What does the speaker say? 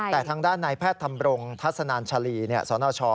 แต่ทางด้านนายแพทย์ธรรมรงทัศนานชาลีสนช